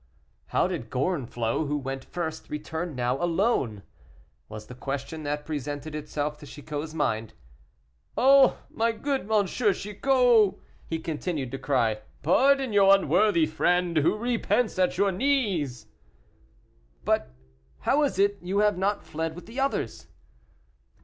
How did Gorenflot, who went first, return now alone? was the question that presented itself to Chicot's mind. "Oh! my good M. Chicot!" he continued to cry, "pardon your unworthy friend, who repents at your knees." "But how is it you have not fled with the others?"